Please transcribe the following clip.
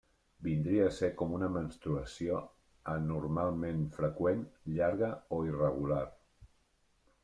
Vindria a ser com una menstruació anormalment freqüent, llarga, o irregular.